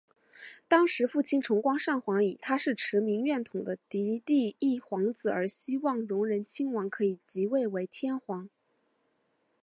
当时父亲崇光上皇以他是持明院统的嫡第一皇子而希望荣仁亲王可以即位为天皇。